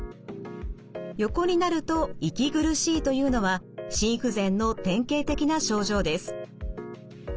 横になると息苦しいというのは心不全の典型的な症状です。